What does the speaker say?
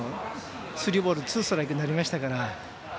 スリーボールスリーストライクになりましたから。